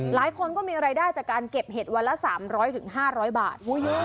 หลายคนก็มีรายได้จากการเก็บเห็ดวันละ๓๐๐๕๐๐บาท